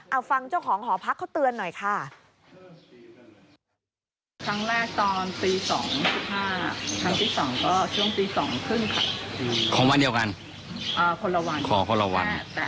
เอาฟังเจ้าของหอพักเขาเตือนหน่อยค่ะ